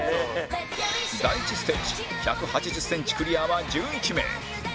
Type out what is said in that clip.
第１ステージ１８０センチクリアは１１名